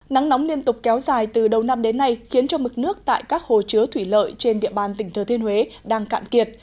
nắng nóng liên tục kéo dài từ đầu năm đến nay khiến cho mực nước tại các hồ chứa thủy lợi trên địa bàn tỉnh thừa thiên huế đang cạn kiệt